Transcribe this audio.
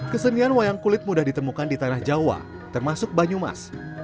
kesenian wayang kulit mudah ditemukan di tanah jawa termasuk banyumas